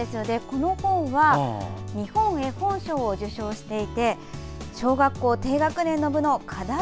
この本は日本絵本賞を受賞していて小学校低学年の部の課題